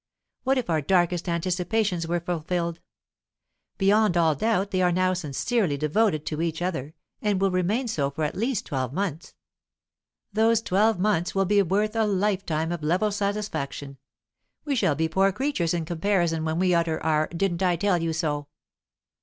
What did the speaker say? "What if our darkest anticipations were fulfilled? Beyond all doubt they are now sincerely devoted to each other, and will remain so for at least twelve months. Those twelve months will be worth a life time of level satisfaction. We shall be poor creatures in comparison when we utter our 'Didn't I tell you so?'